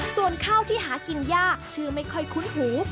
ส่วนข้าวที่หากินยากชื่อไม่ค่อยคุ้นหู